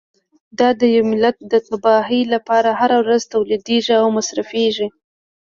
دا د یوه ملت د تباهۍ لپاره هره ورځ تولیدیږي او مصرفیږي.